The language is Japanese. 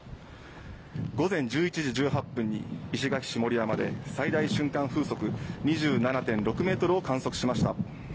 午前１１時１８分に石垣市盛山で最大瞬間風速２７．６メートルを観測しました。